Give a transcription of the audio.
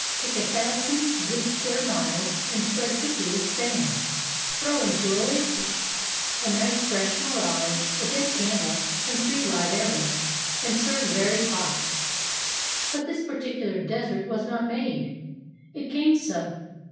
Take a thousand good square miles and spread thickly with sand; throw in two oases, a nice fresh mirage, a dead camel, and three live Arabs; and serve very hot. But this particular Desert was not made. It came so.